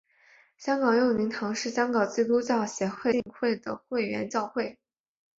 香港佑宁堂是香港基督教协进会的会员教会。